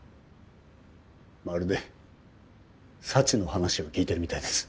まるで幸の話を聞いてるみたいです。